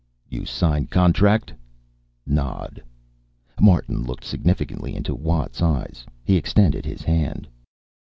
"You sign contract?" Nod. Martin looked significantly into Watt's eyes. He extended his hand.